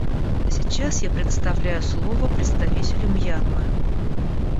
Сейчас я предоставляю слово представителю Мьянмы.